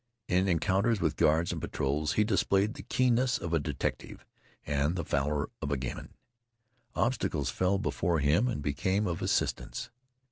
In encounters with guards and patrols he displayed the keenness of a detective and the valor of a gamin. Obstacles fell before him and became of assistance.